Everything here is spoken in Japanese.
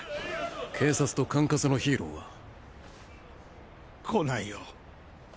警察と管轄のヒーローは？来ないよ。